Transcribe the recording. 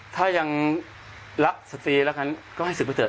ถ้ายังรักสตรีแล้วก็ให้สุขมาเถอะ